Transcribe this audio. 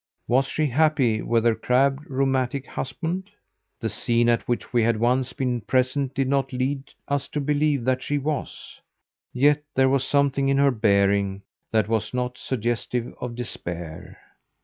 Was she happy with her crabbed, rheumatic husband? The scene at which we had once been present did not lead us to believe that she was; yet there was something in her bearing that was not suggestive of despair.